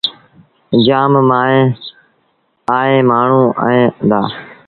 جآم مائيٚݩ ائيٚݩ مآڻهوٚݩ ائيٚݩ دآ۔